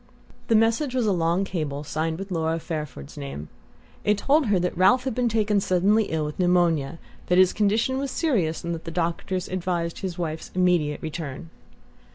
The message was a long cable signed with Laura Fairford's name. It told her that Ralph had been taken suddenly ill with pneumonia, that his condition was serious and that the doctors advised his wife's immediate return.